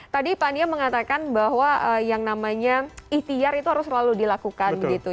tadi pak niam mengatakan bahwa yang namanya ikhtiar itu harus selalu dilakukan